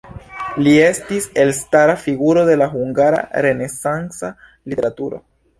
Li estis elstara figuro de la hungara renesanca literaturo.